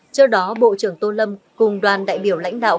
trước đó bộ trưởng tô lâm cùng đoàn đại biểu lãnh đạo